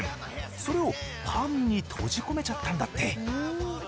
それをパンに閉じ込めちゃったんだって。